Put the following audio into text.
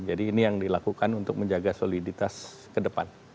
jadi ini yang dilakukan untuk menjaga soliditas ke depan